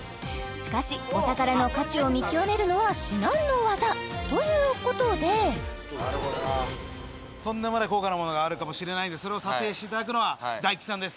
しかしお宝の価値を見極めるのは至難の業ということでとんでもない高価なものがあるかもしれないのでそれを査定していただくのは大吉さんです